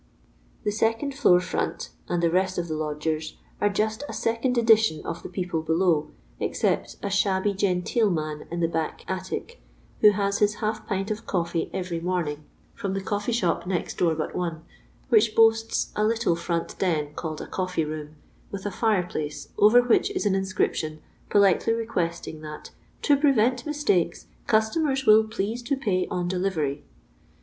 The second floor front, and the rest of the lodgers, are just a second edition of the people below, ex cept a fthabby genteel man in the back attic, who has his half pint of colfee every morning from the coflfee shop next door but one, which boasts a little front den called a coffee room, wiih a tire place, over which is an inscription, politely requesting that, * to prevent mistakes,' customers will * please to pay on delivery.'